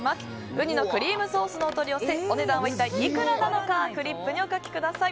ウニのクリームソースのお取り寄せお値段は一体いくらなのかフリップにお書きください。